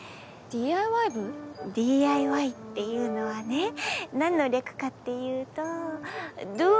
ＤＩＹっていうのはねなんの略かっていうと「ＤＯＩＴ」。